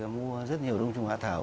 mua rất nhiều đông trùng hạ thảo